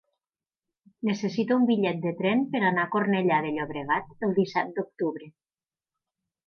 Necessito un bitllet de tren per anar a Cornellà de Llobregat el disset d'octubre.